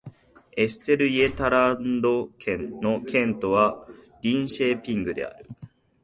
エステルイェータランド県の県都はリンシェーピングである